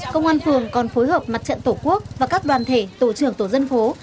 công an phường còn phối hợp mặt trận tổ quốc và các đoàn thể tổ trưởng tổ dân phố